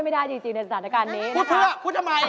ไหนลงถือซีฮะคุณนุ้ย